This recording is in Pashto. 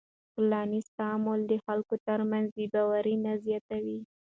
ټولنیز تعامل د خلکو تر منځ بېباوري نه زیاتوي.